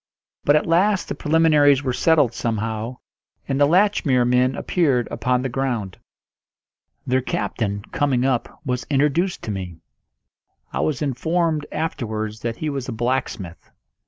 But at last the preliminaries were settled somehow, and the Latchmere men appeared upon the ground. Their captain, coming up, was introduced to me. I was informed afterwards that he was a blacksmith.